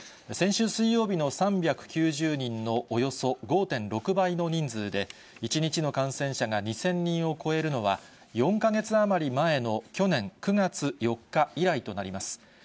先週水曜日の３９０人のおよそ５．６倍の人数で、１日の感染者が２０００人を超えるのは、４か月余り前の去年９月４日以来となります。